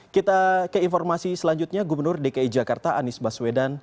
kita ke informasi selanjutnya gubernur dki jakarta anies baswedan